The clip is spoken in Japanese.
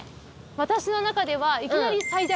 私の中ではいきなり。